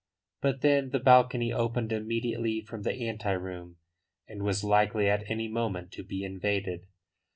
But then the balcony opened immediately from the ante room and was likely at any moment to be invaded.